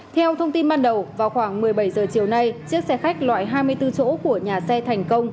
theo thông tin ban đầu vào khoảng một mươi bảy h chiều nay chiếc xe khách loại hai mươi bốn chỗ của nhà xe thành công